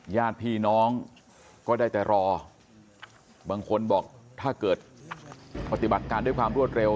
ญาติพี่น้องก็ได้แต่รอบางคนบอกถ้าเกิดปฏิบัติการด้วยความรวดเร็ว